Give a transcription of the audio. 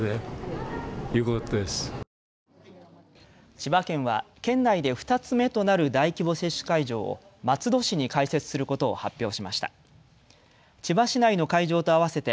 千葉県は県内で２つ目となる大規模接種会場を松戸市に開設することを発表しました。